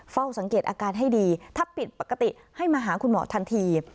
เฝ้าสังเกตอาการให้ดีถ้าผิดปกติให้มาหาคุณหมอทันที